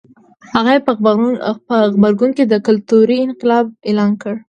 هغه یې په غبرګون کې کلتوري انقلاب اعلان کړ.